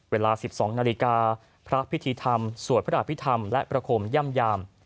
เวลา๑๒นาฬิกาพระพิธีธรรมสวดพระอภิษฐรรมและประคมย่ำยาม